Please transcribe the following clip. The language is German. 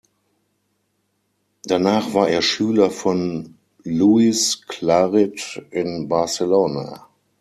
Danach war er Schüler von Lluis Claret in Barcelona.